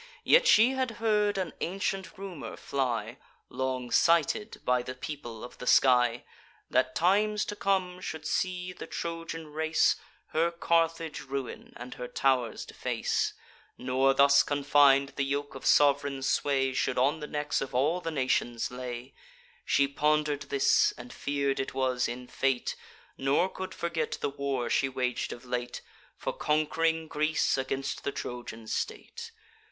Yet she had heard an ancient rumour fly, (Long cited by the people of the sky,) That times to come should see the Trojan race Her Carthage ruin, and her tow'rs deface; Nor thus confin'd, the yoke of sov'reign sway Should on the necks of all the nations lay. She ponder'd this, and fear'd it was in fate; Nor could forget the war she wag'd of late For conqu'ring Greece against the Trojan state.